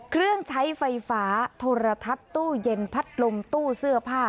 เครื่องใช้ไฟฟ้าโทรทัศน์ตู้เย็นพัดลมตู้เสื้อผ้า